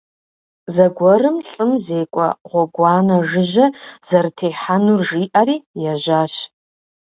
Зэгуэрым лӀым зекӀуэ гъуэгуанэ жыжьэ зэрытехьэнур жиӀэри, ежьащ.